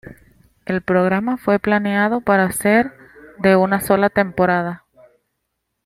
El programa fue planeado para ser de una sola temporada.